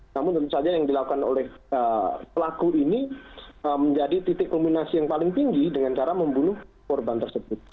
namun tentu saja yang dilakukan oleh pelaku ini menjadi titik kombinasi yang paling tinggi dengan cara membunuh korban tersebut